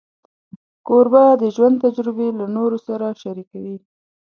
کوربه د ژوند تجربې له نورو سره شریکوي.